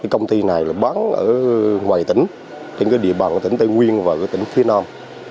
công ty này bán ở ngoài tỉnh trên địa bàn của tỉnh tây nguyên và tỉnh phía nam